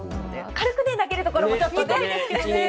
軽く投げるところも見たいですけどね。